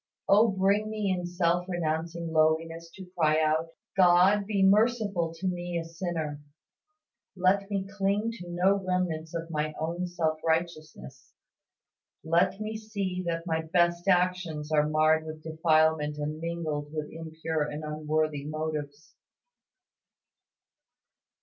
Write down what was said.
Oh bring me in self renouncing lowliness to cry out, "God be merciful to me a sinner." Let me cling to no remnants of my own self righteousness. Let me see that my best actions are marred with defilement and mingled with impure and unworthy motives.